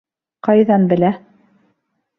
Ҡайҙан белә?